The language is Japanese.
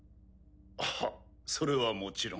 はっそれはもちろん。